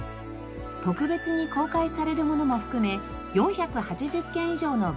特別に公開されるものも含め４８０件以上の文化財が楽しめます。